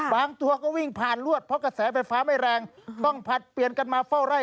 ตัวก็วิ่งผ่านลวดเพราะกระแสไฟฟ้าไม่แรงต้องผลัดเปลี่ยนกันมาเฝ้าไร่